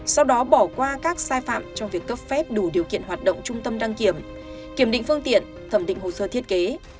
sau đó bỏ qua các sai phạm trong việc cấp phép đủ điều kiện hoạt động trung tâm đăng kiểm kiểm định phương tiện thẩm định hồ sơ thiết kế